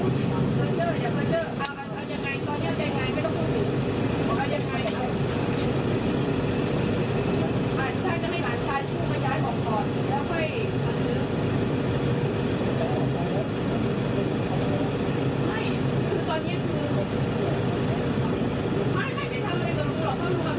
อีกไม่นานจากนั้นก็ถูกยิงครับ